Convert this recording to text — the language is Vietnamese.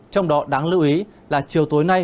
trong đó đáng lưu ý là chiều tối nay